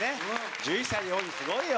１１歳で４位すごいよ。